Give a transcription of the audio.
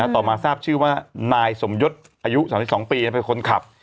ต่อมาทราบชื่อว่านายสมยศอายุ๓๒ปีเป็นคนขับ